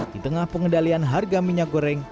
di tengah pengendalian harga minyak goreng